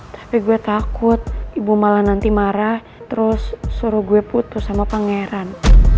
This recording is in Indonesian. tapi gue takut ibu malah nanti marah terus suruh gue putus sama pangeran